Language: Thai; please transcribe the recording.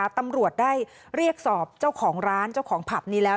ตำรวจได้เรียกสอบเจ้าของร้านเจ้าของผับนี้แล้ว